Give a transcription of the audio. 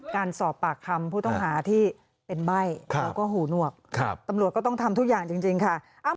การสอบปากคำผู้ต้องหาที่เป็นใบ้แล้วก็หูหนวกตำรวจก็ต้องทำทุกอย่างจริงค่ะ